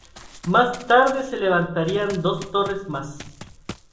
Más tarde se levantarían dos torres más.